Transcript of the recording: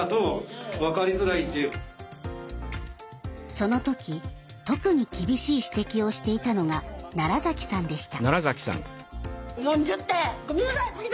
その時、特に厳しい指摘をしていたのが奈良崎さんでした。